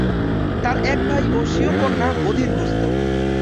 তার এক ভাই ও স্বীয় কন্যা বধিরগ্রস্ত।